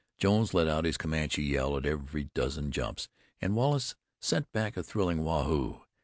Jones let out his Comanche yell at every dozen jumps and Wallace sent back a thrilling "Waa hoo o!"